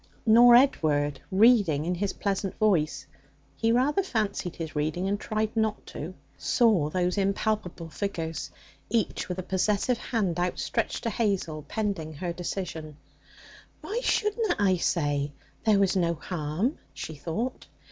nor Edward, reading in his pleasant voice he rather fancied his reading, and tried not to saw those impalpable figures, each with a possessive hand outstretched to Hazel pending her decision. 'Why shouldna I say? There was no harm!' she thought.